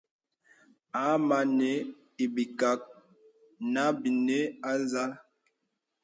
Hāmà nə̀ ibàk nǎ binə̀ á zal.